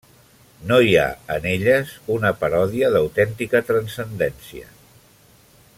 No hi ha, en elles, una paròdia d'autèntica transcendència.